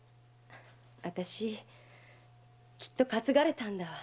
あたしきっと担がれたんだわ。